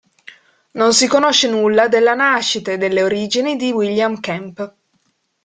Non si conosce nulla della nascita e delle origini di William Kempe.